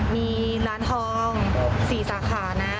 มีร้านทอง๔สาขานะ